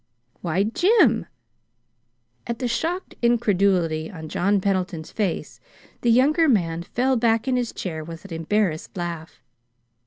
"Why, JIM!" At the shocked incredulity on John Pendleton's face, the younger man fell back in his chair with an embarrassed laugh.